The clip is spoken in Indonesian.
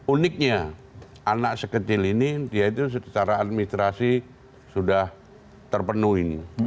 uniknya anak sekecil ini dia itu secara administrasi sudah terpenuhi